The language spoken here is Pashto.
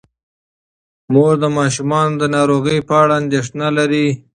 مور د ماشومانو د ناروغۍ په اړه اندیښنه لري.